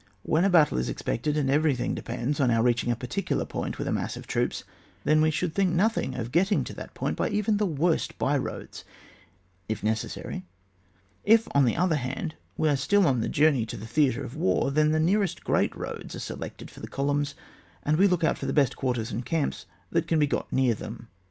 When a OHAP. X.] MARCnES. 31 battle is expected, and everytliing depends on our reacliing a particular point with a mass of troops, then we should think nothing of getting to that point by even the worst by roads, if necessary ; if, on the other hand, we are still on the journey to the theatre of war, then the nearest g^eat roads are selected for the columns, and we look out for the best quarters and camps that can be got near them.